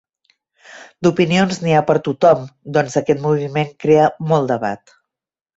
D’opinions, n’hi ha per a tothom, doncs aquest moviment crea molt debat.